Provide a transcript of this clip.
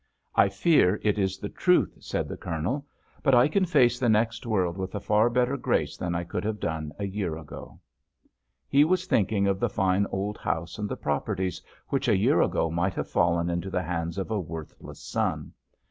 "I fear it is the truth," said the Colonel; "but I can face the next world with a far better grace than I could have done a year ago." He was thinking of the fine old house and the properties which a year ago might have fallen into the hands of a worthless son.